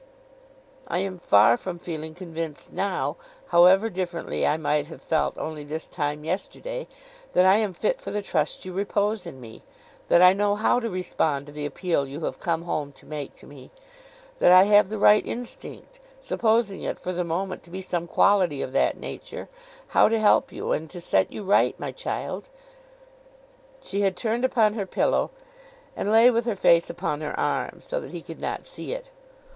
I am far from feeling convinced now, however differently I might have felt only this time yesterday, that I am fit for the trust you repose in me; that I know how to respond to the appeal you have come home to make to me; that I have the right instinct—supposing it for the moment to be some quality of that nature—how to help you, and to set you right, my child.' She had turned upon her pillow, and lay with her face upon her arm, so that he could not see it.